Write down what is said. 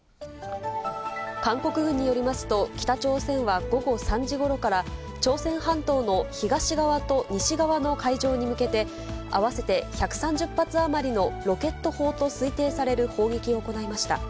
韓国軍によりますと、北朝鮮は午後３時ごろから、朝鮮半島の東側と西側の海上に向けて、合わせて１３０発余りのロケット砲と推定される砲撃を行いました。